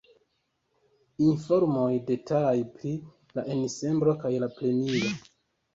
Informoj detalaj pri la ensemblo kaj la premio.